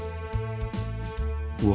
うわ。